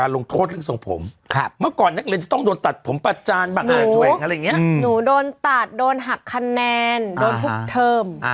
หนูหนูโดนตัดโดนหักคะแนนโดนพุกเทิม